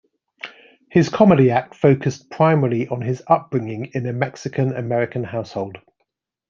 His comedy act focused primarily on his upbringing in a Mexican American household.